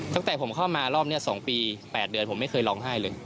ตั้งแต่ผมเข้ามารอบนี้๒ปี๘เดือนผมไม่เคยร้องไห้เลย